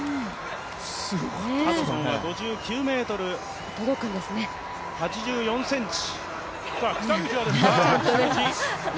ハドソンは５９ｍ８４ｃｍ。